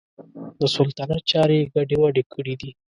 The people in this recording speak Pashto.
د سلطنت چارې یې ګډې وډې کړي دي.